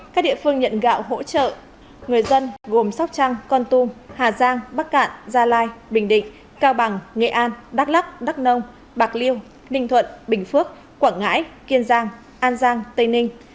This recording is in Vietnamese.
các địa phương nhận gạo hỗ trợ người dân gồm sóc trăng con tum hà giang bắc cạn gia lai bình định cao bằng nghệ an đắk lắc đắk nông bạc liêu ninh thuận bình phước quảng ngãi kiên giang an giang tây ninh